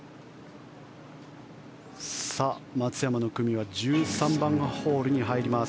松山の組は１３番ホールに入ります